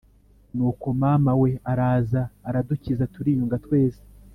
Nuko mamawe araza aradukiza turiyunga twese